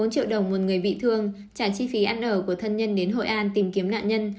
bốn triệu đồng một người bị thương trả chi phí ăn ở của thân nhân đến hội an tìm kiếm nạn nhân